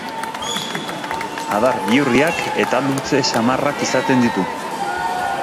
Adar bihurriak eta luze samarrak izaten ditu.